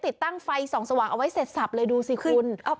ติดตั้งไฟส่องสว่างเอาไว้เสร็จสับเลยดูสิคุณ